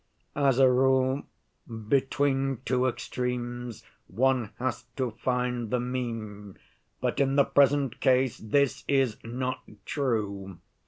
As a rule, between two extremes one has to find the mean, but in the present case this is not true.